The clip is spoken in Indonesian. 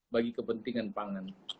bagi kepentingan pangan